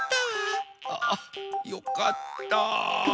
ああよかった。